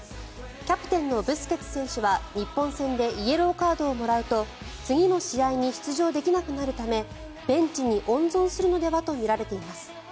キャプテンのブスケツ選手は日本戦でイエローカードをもらうと次の試合に出場できなくなるためベンチに温存するのではとみられています。